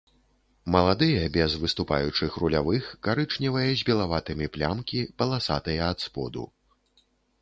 Маладыя без выступаючых рулявых, карычневыя з белаватымі плямкі, паласатыя ад споду.